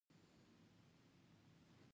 چا په موسکا او ښه راغلاست بدرګه کولو.